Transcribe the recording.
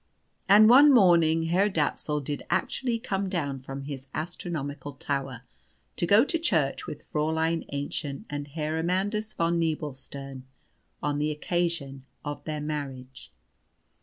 And one morning Herr Dapsul did actually come down from his astronomical tower to go to church with Fräulein Aennchen and Herr Amandus von Nebelstern on the occasion of their marriage.